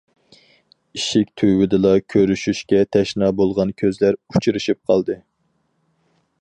ئىشىك تۈۋىدىلا كۆرۈشۈشكە تەشنا بولغان كۆزلەر ئۇچرىشىپ قالدى.